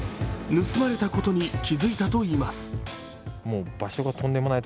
盗まれたことに気付いたといいます。